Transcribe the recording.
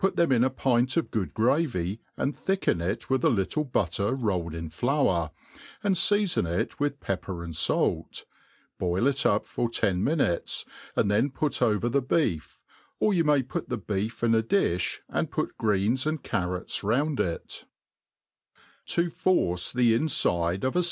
them in a pint of good gravy, and thickea it with a little butter rolled in flour, and feafon it with pepper and falti boil it up for ten minutes, and then put over, the beef} or you may put the beef in a diih^ and* put greens and carrots round \t\ To force thi Injidi of a.